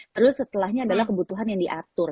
terus setelahnya adalah kebutuhan yang diatur